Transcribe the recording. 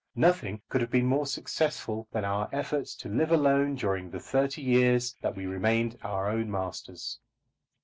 Nothing could have been more successful than our efforts to live alone during the thirty years that we remained our own masters.